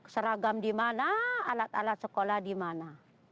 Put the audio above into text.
seragam di mana alat alat sekolah di mana